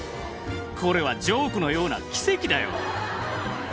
これはジョークのような奇跡だよ。